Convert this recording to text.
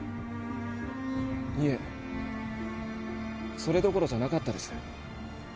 いえそれどころじゃなかったです。